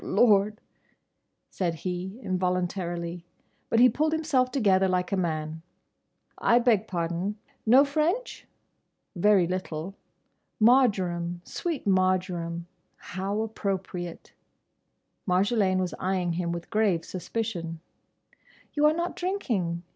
"Oh Lord!" said he involuntarily. But he pulled himself together like a man. "I beg pardon!—Know French? Very little. Marjoram—sweet Marjoram—how appropriate!" Marjolaine was eyeing him with grave suspicion. "You are not drinking.